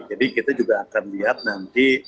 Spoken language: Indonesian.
jadi kita juga akan lihat nanti